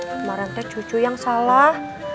kemaren teh cucu yang salah